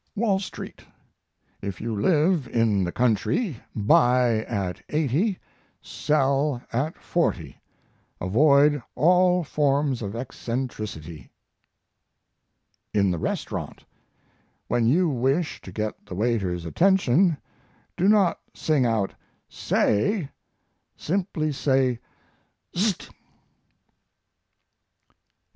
WALL STREET If you live in the country, buy at 80, sell at 40. Avoid all forms of eccentricity. IN THE RESTAURANT When you wish to get the waiter's attention, do not sing out "Say!" Simply say "Szt!"